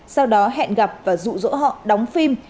sau đó hẹn gặp và rụ rỗ họ đóng phim